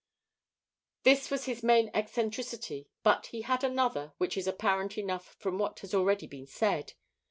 This was his main eccentricity, but he had another which is apparent enough from what has already been said.